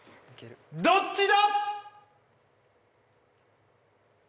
どっちだ！？